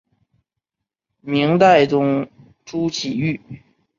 明代宗朱祁钰。